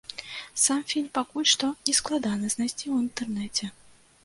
Сам фільм пакуль што не складана знайсці ў інтэрнэце.